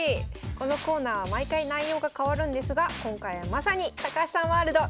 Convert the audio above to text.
このコーナーは毎回内容が変わるんですが今回はまさに高橋さんワールド！